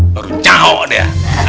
baru caok dia